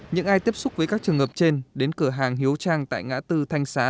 những ai tiếp xúc với các trường hợp trên đến cửa hàng hiếu trang tại ngã tư thanh xá